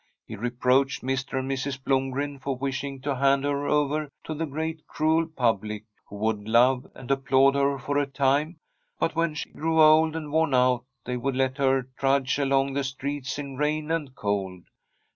He reproached Mr. and Mrs. Blom gren for wishing to hand her over to the great, cruel public, who would love and applaud her for a time, but when she grew old and worn out, they would let her trudge along the streets in rain and cold.